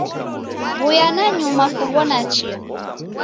W'uya nanyuma kuw'ona chia.